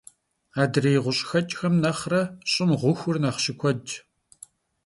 Adrêy ğuş'xeç'xem nexhre ş'ım ğuxur nexh şıkuedş.